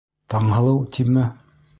Таңһылыу, тиме?